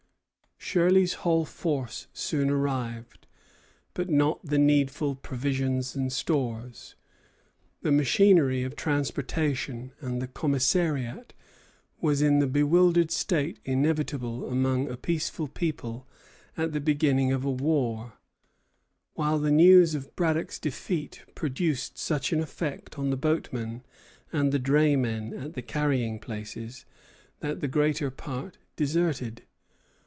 Shirley's whole force soon arrived; but not the needful provisions and stores. The machinery of transportation and the commissariat was in the bewildered state inevitable among a peaceful people at the beginning of a war; while the news of Braddock's defeat produced such an effect on the boatmen and the draymen at the carrying places, that the greater part deserted.